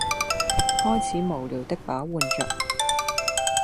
開始無聊的把玩着